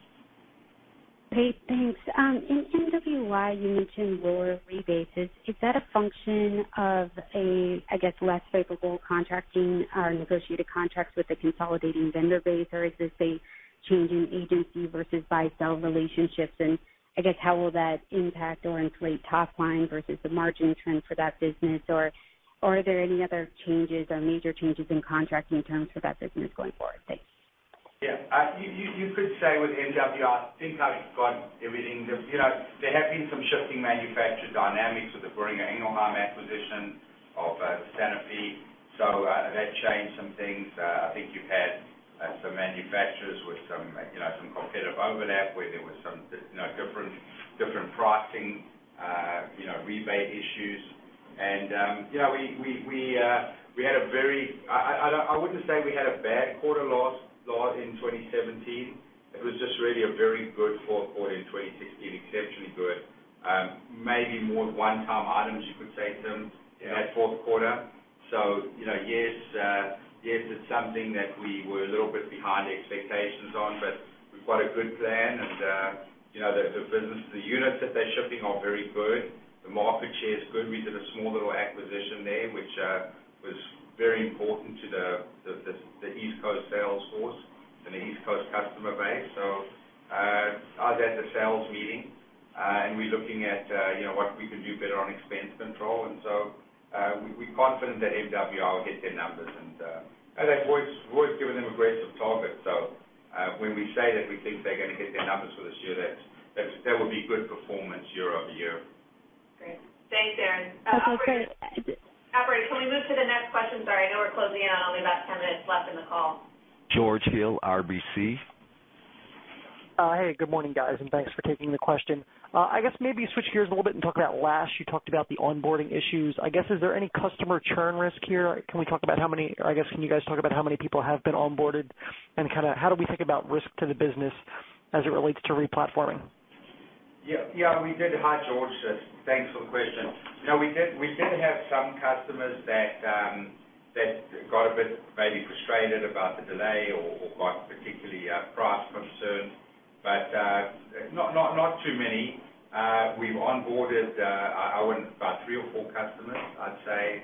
Hey, thanks. In MWI, you mentioned lower rebates. Is that a function of, I guess, less favorable contracting or negotiated contracts with the consolidating vendor base, or is this a change in agency versus buy-sell relationships? I guess how will that impact or inflate top line versus the margin trend for that business, or are there any other changes or major changes in contracting terms for that business going forward? Thanks. Yeah. You could say with MWI, I think I've got everything. There have been some shifting manufacturer dynamics with the Boehringer Ingelheim acquisition of Sanofi. That changed some things. I think you've had some manufacturers with some competitive overlap where there was some different pricing, rebate issues. I wouldn't say we had a bad quarter loss in 2017. It was just really a very good fourth quarter in 2016, exceptionally good. Maybe more one-time items, you could say, Tim. Yeah in that fourth quarter. Yes it's something that we were a little bit behind expectations on, but we've got a good plan, and the business, the units that they're shipping are very good. The market share is good. We did a small little acquisition there, which was very important to the East Coast sales force and the East Coast customer base. I was at a sales meeting, and we're looking at what we could do better on expense control. We're confident that MWI will hit their numbers, and as I've always given them aggressive targets. When we say that we think they're going to hit their numbers for this year, that would be good performance year-over-year. Great. Thanks, Erin. Okay. Operator, can we move to the next question? Sorry, I know we're closing in on only about 10 minutes left in the call. George Hill, RBC. Hey, good morning, guys, and thanks for taking the question. I guess maybe switch gears a little bit and talk about Lash you talked about the onboarding issues. I guess, is there any customer churn risk here? Can we talk about how many, I guess, can you guys talk about how many people have been onboarded and how do we think about risk to the business as it relates to re-platforming? Yeah, we did. Hi, George. Thanks for the question. We did have some customers that got a bit maybe frustrated about the delay or got particularly price concerned, but not too many. We've onboarded, about three or four customers, I'd say.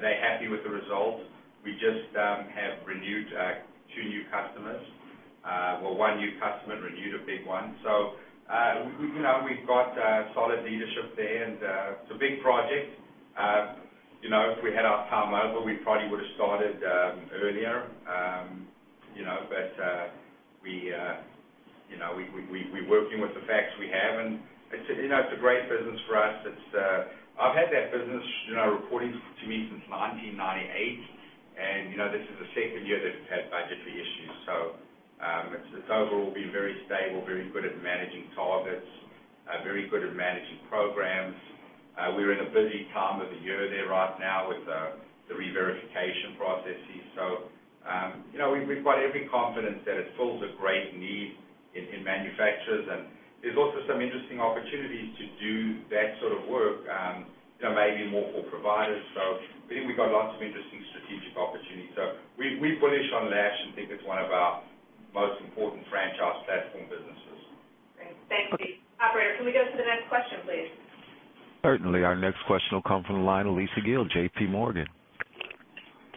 They're happy with the result. We just have renewed two new customers. Well, one new customer renewed a big one. We've got solid leadership there, and it's a big project. If we had our time over, we probably would have started earlier. We're working with the facts we have, and it's a great business for us. I've had that business reporting to me since 1998, and this is the second year that it's had budgetary issues. It's overall been very stable, very good at managing targets, very good at managing programs. We're in a busy time of the year there right now with the reverification processes. We've got every confidence that it fills a great need in manufacturers, and there's also some interesting opportunities to do that sort of work, maybe more for providers. I think we've got lots of interesting strategic opportunities. We're bullish on Lash and think it's one of our most important franchise platform businesses. Great. Thanks, Steve. Operator, can we go to the next question, please? Certainly. Our next question will come from the line of Lisa Gill, JPMorgan.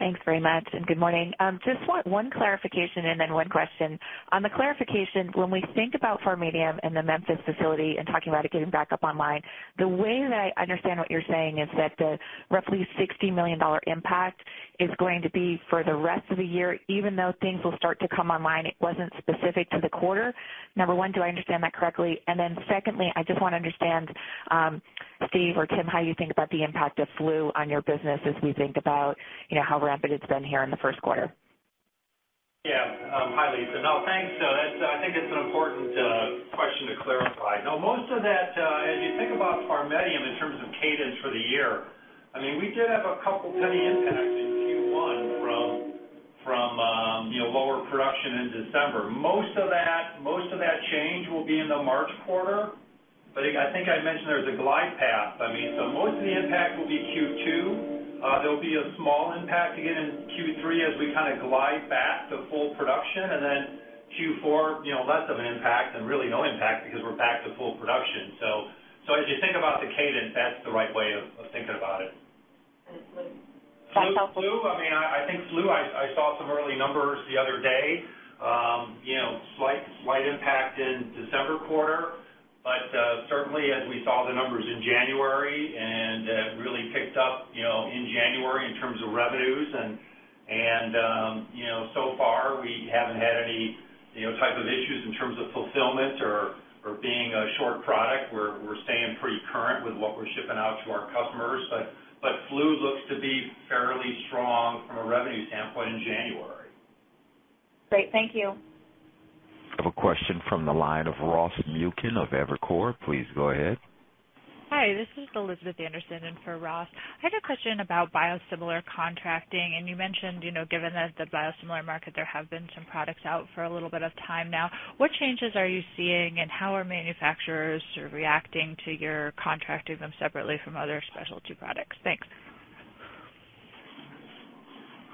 Thanks very much. Good morning. Just want one clarification and then one question. On the clarification, when we think about PharMEDium and the Memphis facility and talking about it getting back up online, the way that I understand what you're saying is that the roughly $60 million impact is going to be for the rest of the year, even though things will start to come online, it wasn't specific to the quarter. Number 1, do I understand that correctly? Secondly, I just want to understand, Steve or Tim, how you think about the impact of flu on your business as we think about how rampant it's been here in the first quarter. Yeah. Hi, Lisa. No, thanks, though, I think it's an important question to clarify. No, most of that, as you think about PharMEDium in terms of cadence for the year, we did have a couple penny impacts in Q1 from lower production in December. Most of that change will be in the March quarter. I think I mentioned there's a glide path. Most of the impact will be Q2. There'll be a small impact again in Q3 as we kind of glide back to full production. Then Q4, less of an impact and really no impact because we're back to full production. As you think about the cadence, that's the right way of thinking about it. Flu? Flu, I saw some early numbers the other day. Slight impact in December quarter. Certainly as we saw the numbers in January and really picked up in January in terms of revenues, and so far we haven't had any type of issues in terms of fulfillment or being a short product. We're staying pretty current with what we're shipping out to our customers. Flu looks to be fairly strong from a revenue standpoint in January. Great. Thank you. I have a question from the line of Ross Muken of Evercore. Please go ahead. Hi, this is Elizabeth Anderson in for Ross. I had a question about biosimilar contracting. You mentioned, given that the biosimilar market, there have been some products out for a little bit of time now. What changes are you seeing and how are manufacturers sort of reacting to your contracting them separately from other specialty products? Thanks.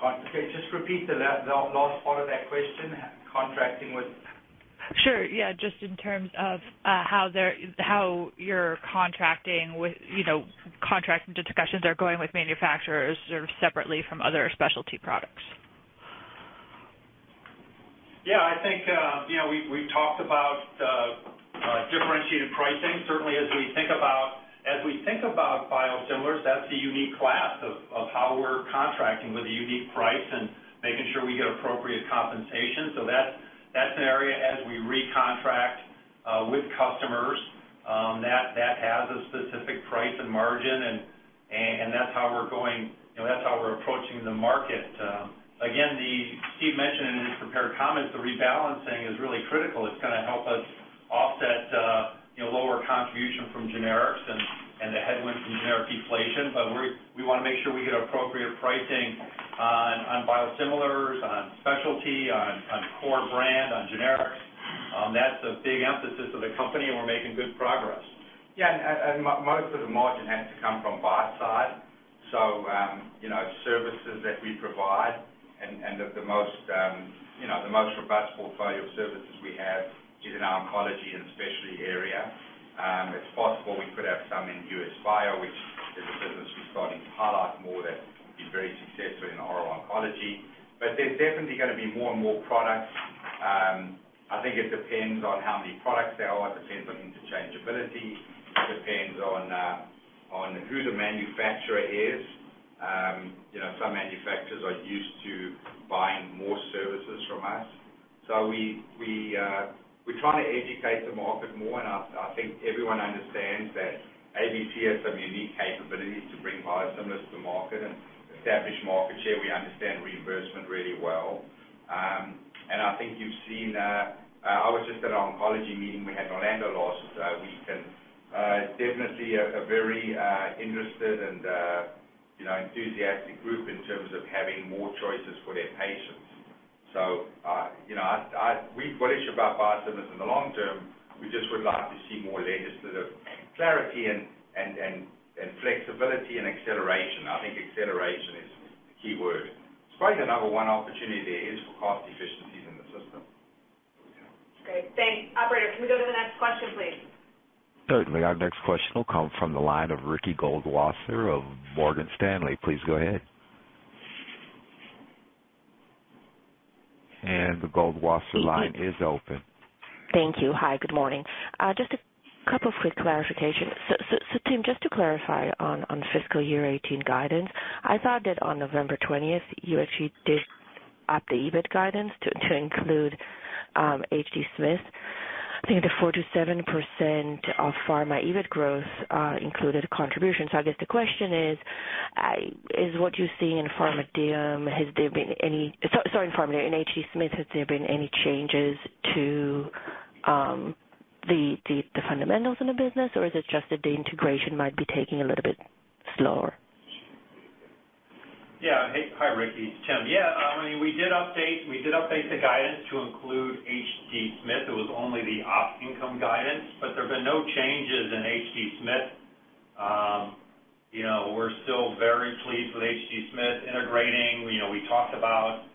Okay. Just repeat the last part of that question, contracting with Sure. Yeah. Just in terms of how your contracting discussions are going with manufacturers sort of separately from other specialty products. Yeah, I think, we've talked about differentiated pricing. Certainly, as we think about biosimilars, that's a unique class of how we're contracting with a unique price and making sure we get appropriate compensation. That's an area as we recontract with customers, that has a specific price and margin, and that's how we're approaching the market. Steve mentioned in his prepared comments, the rebalancing is really critical. It's going to help us offset lower contribution from generics and the headwind from generic deflation. We want to make sure we get appropriate pricing on biosimilars, on specialty, on core brand, on generics. That's a big emphasis of the company, and we're making good progress. Yeah, most of the margin has to come from buy side. Services that we provide and the most robust portfolio of services we have is in our oncology and specialty area. It's possible we could have some in US Bio, which is a business we're starting to highlight more that has been very successful in oral oncology. There's definitely going to be more and more products. I think it depends on how many products there are. It depends on interchangeability. It depends on who the manufacturer is. Some manufacturers are used to buying more services from us. We're trying to educate the market more, and I think everyone understands that ABC has some unique capabilities to bring biosimilars to market and establish market share. We understand reimbursement really well. I think you've seen, I was just at an oncology meeting we had in Orlando last week, it's definitely a very interested and enthusiastic group in terms of having more choices for their patients. We're bullish about biosimilars in the long term. We just would like to see more legislative clarity and flexibility and acceleration. I think acceleration is the number one opportunity there is for cost efficiencies in the system. Great. Thanks. Operator, can we go to the next question, please? Certainly. Our next question will come from the line of Ricky Goldwasser of Morgan Stanley. Please go ahead. The Goldwasser line is open. Thank you. Hi, good morning. Just a couple of quick clarifications. Tim, just to clarify on fiscal year 2018 guidance, I thought that on November 20th, you actually did up the EBIT guidance to include H.D. Smith. I think the 47% of pharma EBIT growth included a contribution. I guess the question is what you're seeing in H.D. Smith, has there been any changes to the fundamentals in the business, or is it just that the integration might be taking a little bit slower. Yeah. Hey. Hi, Ricky, it's Tim. Yeah, we did update the guidance to include H.D. Smith. It was only the op income guidance, there've been no changes in H.D. Smith. We're still very pleased with H.D. Smith integrating. We talked about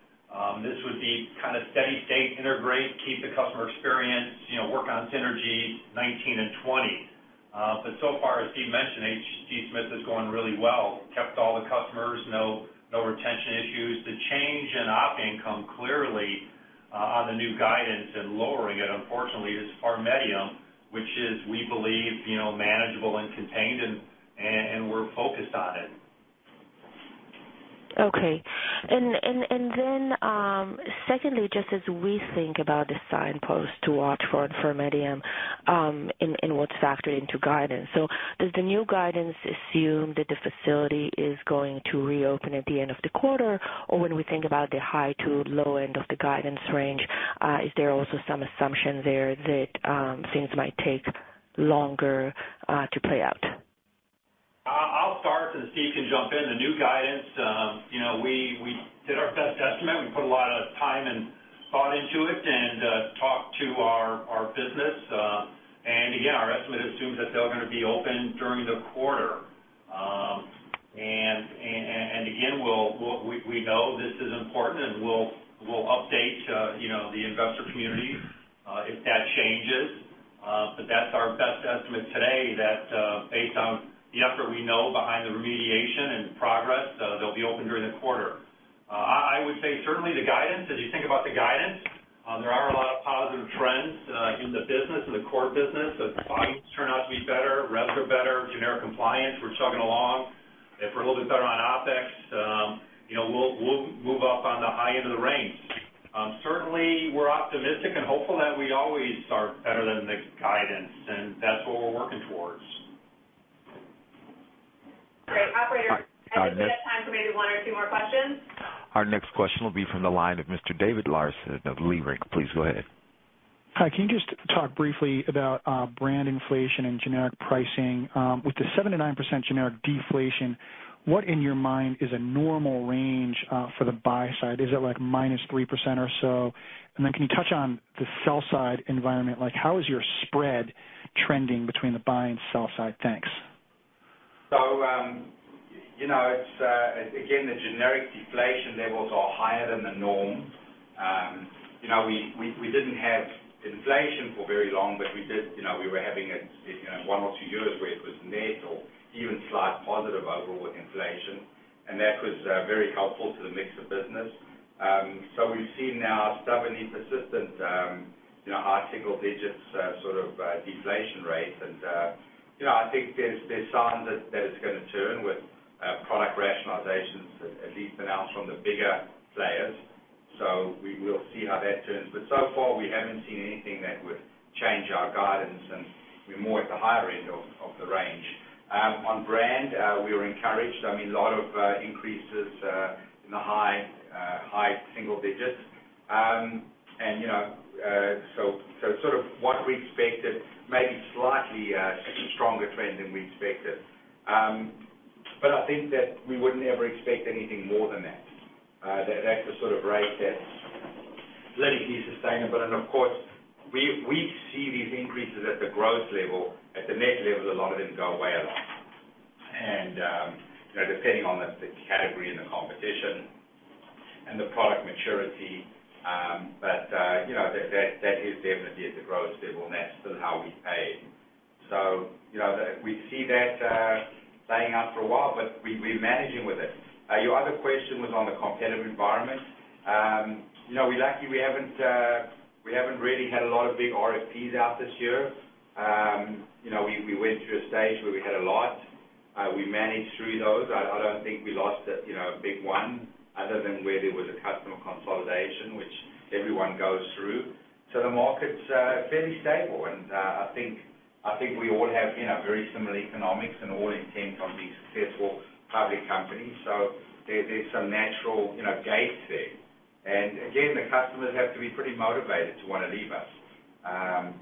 this would be steady state integrate, keep the customer experience, work on synergy 2019 and 2020. So far, as Steve mentioned, H.D. Smith is going really well. Kept all the customers, no retention issues. The change in op income clearly, on the new guidance and lowering it, unfortunately, is PharMEDium, which is, we believe, manageable and contained, and we're focused on it. secondly, just as we think about the signpost to watch for in PharMEDium, and what's factored into guidance. Does the new guidance assume that the facility is going to reopen at the end of the quarter? When we think about the high to low end of the guidance range, is there also some assumption there that things might take longer to play out? I'll start, and Steve can jump in. The new guidance, we did our best estimate. We put a lot of time and thought into it and talked to our business. Again, our estimate assumes that they're going to be open during the quarter. Again, we know this is important, and we'll update the investor community if that changes. That's our best estimate today, that based on the effort we know behind the remediation and progress, they'll be open during the quarter. I would say certainly the guidance, as you think about the guidance, there are a lot of positive trends in the business, in the core business. The volumes turn out to be better, rents are better, generic compliance, we're chugging along. If we're a little bit better on OpEx, we'll move up on the high end of the range. Certainly, we're optimistic and hopeful that we always are better than the guidance, and that's what we're working towards. Great. Operator- Hi. I think we have time for maybe one or two more questions. Our next question will be from the line of Mr. David Larsen of Leerink. Please go ahead. Hi. Can you just talk briefly about brand inflation and generic pricing? With the 7% and 9% generic deflation, what, in your mind, is a normal range for the buy side? Is it like -3% or so? Can you touch on the sell side environment? How is your spread trending between the buy and sell side? Thanks. Again, the generic deflation levels are higher than the norm. We didn't have inflation for very long, but we were having one or two years where it was net or even slight positive overall with inflation, and that was very helpful to the mix of business. We've seen now stubbornly persistent high single digits sort of deflation rate. I think there's signs that it's gonna turn with product rationalizations, at least announced from the bigger players. We'll see how that turns. So far, we haven't seen anything that would change our guidance, and we're more at the higher end of the range. On brand, we were encouraged. A lot of increases in the high single digits. Sort of what we expected, maybe slightly a stronger trend than we expected. I think that we would never expect anything more than that. That's the sort of rate that's politically sustainable. Of course, we see these increases at the gross level. At the net level, a lot of them go away depending on the category and the competition and the product maturity. That is definitely at the gross level, and that's still how we pay. We see that playing out for a while, but we're managing with it. Your other question was on the competitive environment. Luckily, we haven't really had a lot of big RFPs out this year. We went through a stage where we had a lot. We managed through those. I don't think we lost a big one other than where there was a customer consolidation, which everyone goes through. The market's fairly stable, and I think we all have very similar economics and all intent on being successful public companies, so there's some natural gates there. Again, the customers have to be pretty motivated to want to leave us,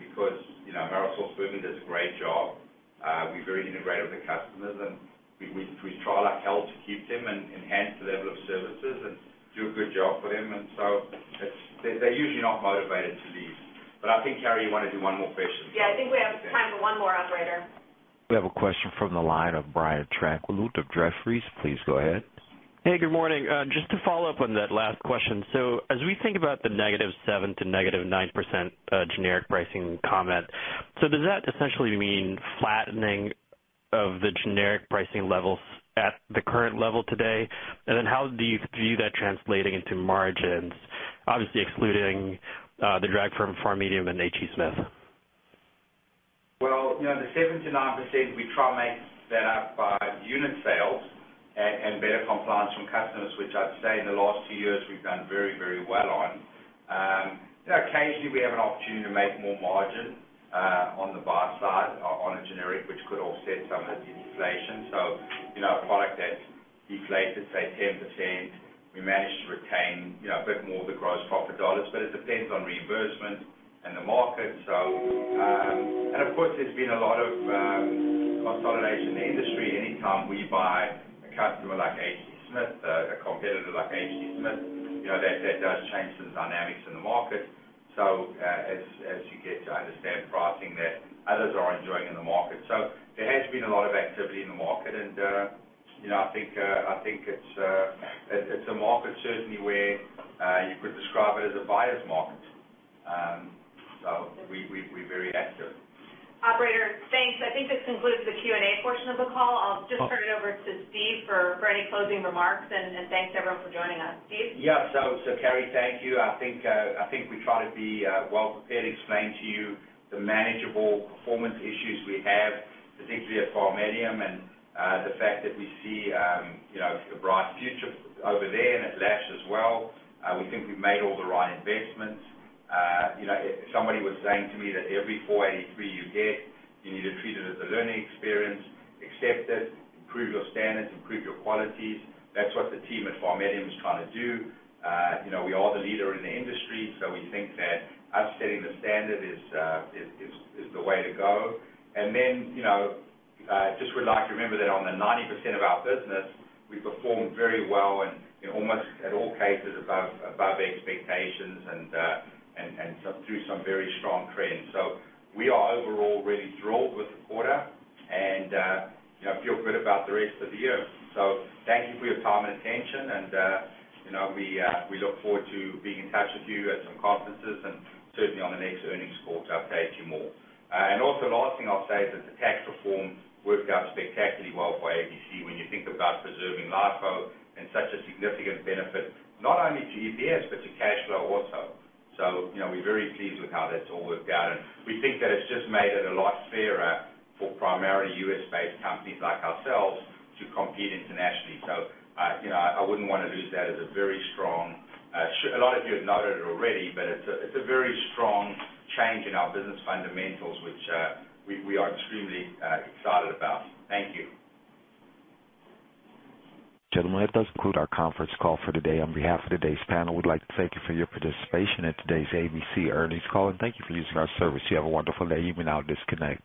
because AmerisourceBergen does a great job. We're very integrated with the customers, and we try like hell to keep them and enhance the level of services and do a good job for them. They're usually not motivated to leave. I think, Keri, you want to do one more question. Yeah, I think we have time for one more, operator. We have a question from the line of Brian Tanquilut of Jefferies. Please go ahead. Hey, good morning. Just to follow up on that last question. As we think about the -7% to -9% generic pricing comment, does that essentially mean flattening of the generic pricing levels at the current level today? And then how do you view that translating into margins, obviously excluding the drag from PharMEDium and H.D. Smith? The 7%-9%, we try and make that up by unit sales and better compliance from customers, which I'd say in the last two years, we've done very well on. Occasionally, we have an opportunity to make more margin on the buy side on a generic, which could offset some of the deflation. Deflated, say, 10%. We managed to retain a bit more of the gross profit dollars, but it depends on reimbursement and the market. And of course, there's been a lot of consolidation in the industry. Any time we buy a customer like H.D. Smith, a competitor like H.D. Smith, that does change the dynamics in the market. As you get to understand pricing that others are enjoying in the market. There has been a lot of activity in the market, and I think it's a market certainly where you could describe it as a buyer's market. We're very active. Operator, thanks. I think this concludes the Q&A portion of the call. I'll just turn it over to Steve for any closing remarks, and thanks everyone for joining us. Steve? Carrie, thank you. I think we try to be well-prepared, explain to you the manageable performance issues we have, particularly at PharMEDium and the fact that we see a bright future over there, and at Lash as well. We think we've made all the right investments. Somebody was saying to me that every 483 you get, you need to treat it as a learning experience, accept it, improve your standards, improve your qualities. That's what the team at PharMEDium is trying to do. We are the leader in the industry, so we think that upsetting the standard is the way to go. Just would like to remember that on the 90% of our business, we performed very well and in almost all cases above expectations and through some very strong trends. We are overall really thrilled with the quarter and feel good about the rest of the year. Thank you for your time and attention, and we look forward to being in touch with you at some conferences and certainly on the next earnings call to update you more. Last thing I'll say is that the tax reform worked out spectacularly well for ABC when you think about preserving LIFO and such a significant benefit, not only to EPS but to cash flow also. We're very pleased with how that's all worked out, and we think that it's just made it a lot fairer for primarily U.S.-based companies like ourselves to compete internationally. A lot of you have noted it already, it's a very strong change in our business fundamentals, which we are extremely excited about. Thank you. Gentlemen, that does conclude our conference call for the day. On behalf of today's panel, we'd like to thank you for your participation in today's ABC earnings call, and thank you for using our service. You have a wonderful day. You may now disconnect.